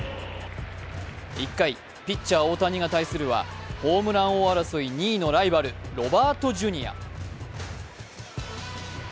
１回、ピッチャー・大谷が対するはホームラン王争い２位のライバル、ロバートＪｒ。